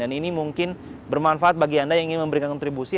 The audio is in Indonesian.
ini mungkin bermanfaat bagi anda yang ingin memberikan kontribusi